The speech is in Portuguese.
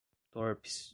torpes